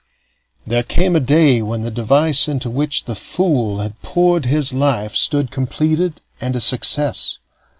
There came a day when the device into which the fool had poured his life stood completed and a success.